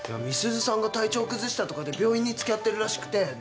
美鈴さんが体調崩したとかで病院に付き合ってるらしくて。